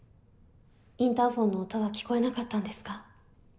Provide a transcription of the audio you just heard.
インターホンの音は聞こえなかったんですか？